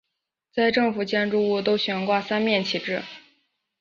在政府建筑物都悬挂三面旗帜。